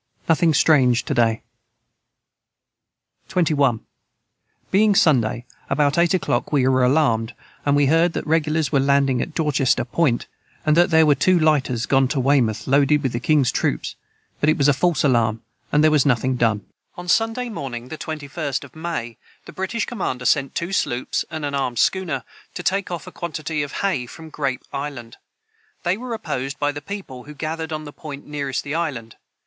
Nothing strange to day. 21. Being Sunday about eight o clock we were alarmed we heard that the regulars were a landing at Dorchester Point and that there was two Lighters gone to Weymoth Loaded with the Kings troops but it was a false alarm and their was nothing done. [Footnote 114: On Sunday morning, the 21st of May, the British commander sent two sloops and an armed schooner to take off a quantity of hay from Grape island. They were opposed by the people who gathered on the point nearest the island.